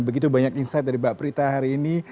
begitu banyak insight dari mbak prita hari ini